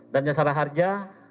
dan jasara harja